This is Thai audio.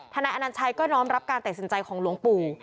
นายอนัญชัยก็น้อมรับการตัดสินใจของหลวงปู่